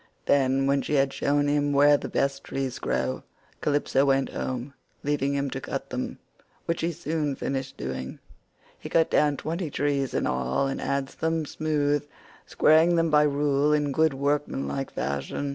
53 Then, when she had shown him where the best trees grew, Calypso went home, leaving him to cut them, which he soon finished doing. He cut down twenty trees in all and adzed them smooth, squaring them by rule in good workmanlike fashion.